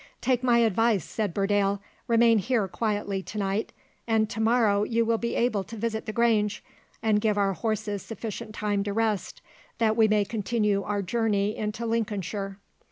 "Take my advice," said Burdale: "remain here quietly to night, and to morrow you will be able to visit the Grange, and give our horses sufficient time to rest, that we may continue our journey into Lincolnshire.